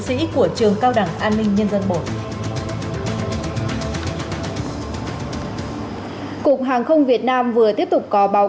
sĩ của trường cao đẳng an ninh nhân dân i cục hàng không việt nam vừa tiếp tục có báo